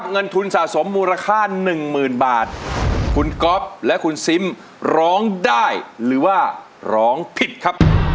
เป็นทุนการรักษาให้ลูกค่ะ